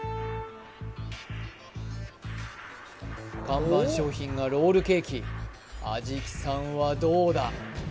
看板商品がロールケーキ安食さんはどうだ？